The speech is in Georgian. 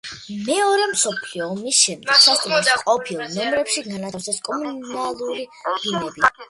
მეორე მსოფლიო ომის შემდეგ სასტუმროს ყოფილ ნომრებში განათავსეს კომუნალური ბინები.